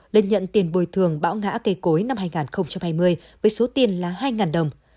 lên nhận tiền bồi thường bão ngã cây cối năm hai nghìn hai mươi với số tiền là hai đồng